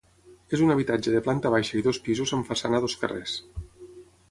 És un habitatge de planta baixa i dos pisos amb façana a dos carrers.